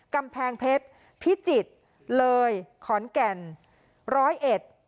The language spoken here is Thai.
กำแพงเพชรพิจิตรเลยขอนแก่นร้อยเอ็ด